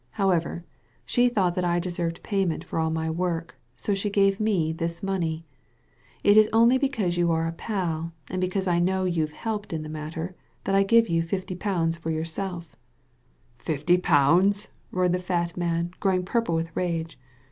However, she thought that I deserved payment for all my work, so she gave me this money. It is only because you are a pal, and because I know you've helped in the matter, that I give you fifty pounds for yourselfc" "Fifty pounds I" roared the fat man, growing purple with rage.